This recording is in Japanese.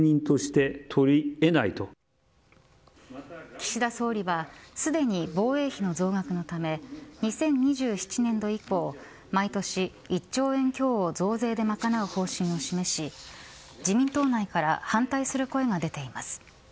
岸田総理はすでに防衛費の増額のため２０２７年度以降毎年１兆円強を増税で賄う方針を示し自民党内から反対する声が出ています。